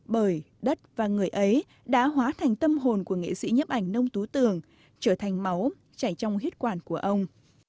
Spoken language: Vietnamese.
bởi đất và người ấy đã hóa thành tâm hồn của nghệ sĩ nhấp ảnh nông tú tường trở thành máu chảy trong huyết quản của ông